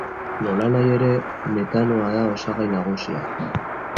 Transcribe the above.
Nolanahi ere, metanoa da osagai nagusia.